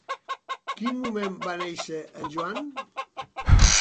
Quin moment va néixer en Joan?